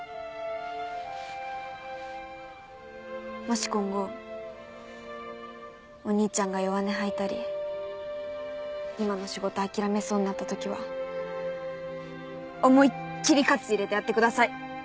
もし今後お兄ちゃんが弱音吐いたり今の仕事諦めそうになったときは思いっ切り活入れてやってください！